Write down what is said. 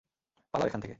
পালাও এখান থেকে!